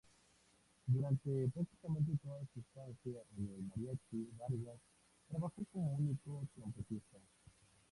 Durante prácticamente toda su estancia en el Mariachi Vargas trabajó como único trompetista.